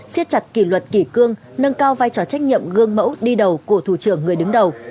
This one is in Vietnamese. xiết chặt kỷ luật kỷ cương nâng cao vai trò trách nhiệm gương mẫu đi đầu của thủ trưởng người đứng đầu